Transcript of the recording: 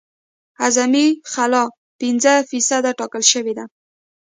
اعظمي خلا پنځه فیصده ټاکل شوې ده